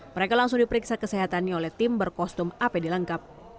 mereka langsung diperiksa kesehatannya oleh tim berkostum apd lengkap